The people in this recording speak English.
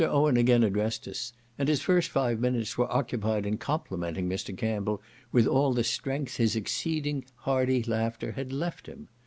Owen again addressed us; and his first five minutes were occupied in complimenting Mr. Campbell with all the strength his exceeding hearty laughter had left him.